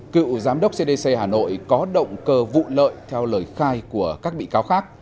cựu giám đốc cdc hà nội có động cơ vụ lợi theo lời khai của các bị cáo khác